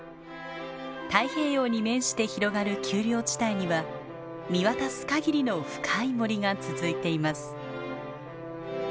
太平洋に面して広がる丘陵地帯には見渡す限りの深い森が続いています。